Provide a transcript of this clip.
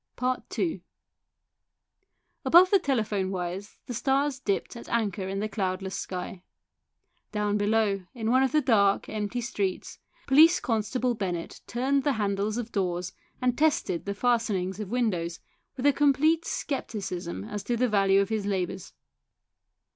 II Above the telephone wires the stars dipped at anchor in the cloudless sky. Down below, in one of the dark, empty streets, Police constable Bennett turned the handles of doors and tested the fastenings of windows, with a complete scepticism as to the value of his labours.